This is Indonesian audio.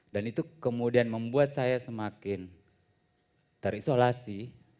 dan itu kemudian membuat saya semakin terisolasi